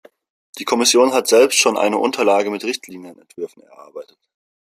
Die Kommission hat selbst schon eine Unterlage mit Richtlinienentwürfen erarbeitet.